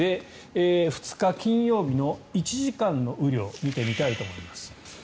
２日金曜日の１時間の雨量を見てみたいと思います。